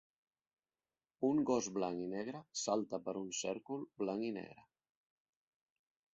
Un gos blanc i negre salta per un cèrcol blanc i negre.